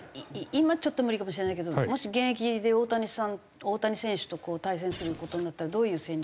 今ちょっと無理かもしれないけどもし現役で大谷さん大谷選手と対戦する事になったらどういう戦略？